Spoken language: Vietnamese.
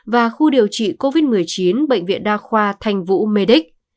và khu điều trị covid một mươi chín bệnh viện đa khoa thanh vũ medic